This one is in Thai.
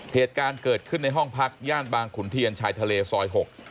เหตุการณ์เกิดขึ้นในห้องพักย่านบางขุนเทียนชายทะเลซอย๖